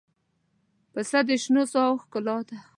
پسه د شنو ساحو ښکلا ده.